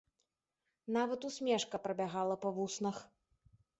Нават усмешка прабягала па вуснах.